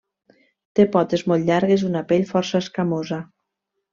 Té potes molt llargues i una pell força escamosa.